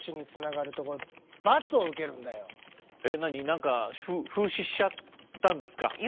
何か風刺しちゃったんですか？